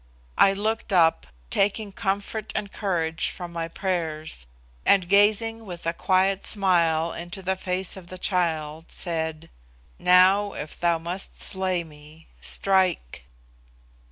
I looked up, taking comfort and courage from my prayers, and, gazing with a quiet smile into the face of the child, said, "Now, if thou must slay me, strike."